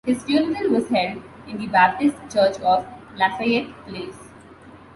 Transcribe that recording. His funeral was held in the Baptist Church on Lafayette Place.